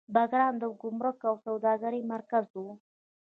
بګرام د ګمرک او سوداګرۍ مرکز و